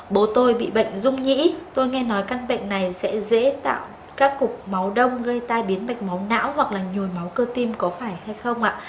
bố tôi bị bệnh dung nhĩ tôi nghe nói căn bệnh này sẽ dễ tạo các cục máu đông gây tai biến mạch máu não hoặc là nhồi máu cơ tim có phải hay không ạ